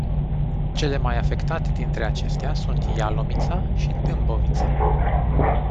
Cele mai afectate dintre acestea sunt Ialomița și Dâmbovița.